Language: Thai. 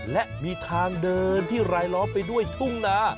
และมีทางเดินที่รายล้อมไปด้วยทุ่งนา